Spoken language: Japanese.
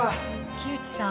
木内さん